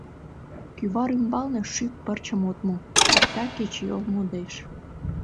Кӱвар ӱмбалне шӱк пырчым от му — эртак кечыйол модеш.